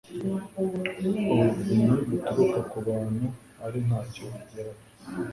ubuvunyi buturuka ku bantu ari nta cyo bugeraho